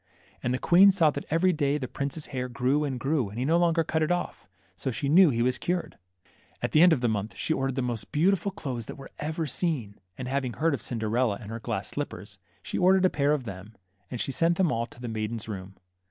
And the queen saw that every day the prince's hair grew and grew, and he no longer cut it off. So she knew he was cured. , At the end of the month she ordered the most beautiful clothes that were ever seen, and having heard of Cinderella and her glass slippers, she or dered a pair of them ; and she sent them all to the maiden's room.